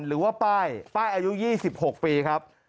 หรือว่าป้ายป้ายอายุ๒๖ปีครับ